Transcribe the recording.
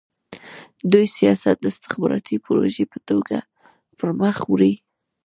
دوی سیاست د استخباراتي پروژې په توګه پرمخ وړي.